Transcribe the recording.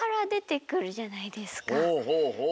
ほうほうほう。